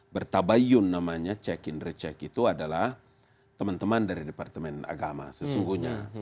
bertabayun namanya check in recek itu adalah teman teman dari departemen agama sesungguhnya